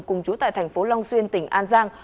cùng chú tại thành phố long xuyên tỉnh an giang